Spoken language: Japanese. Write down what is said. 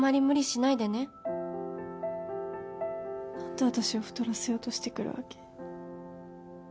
なんで私を太らせようとしてくるわけ？